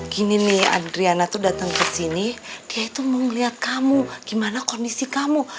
gini nih adriana tuh datang ke sini dia itu mau ngeliat kamu gimana kondisi kamu